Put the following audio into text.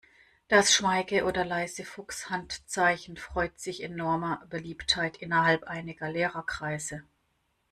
Das Schweige- oder Leisefuchs-Handzeichen freut sich enormer Beliebtheit innerhalb einiger Lehrer-Kreise.